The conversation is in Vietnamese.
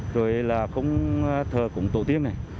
rồi là không thờ củng tổ tiên này